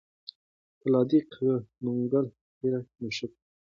پولادي قوي منګول تېره مشوکه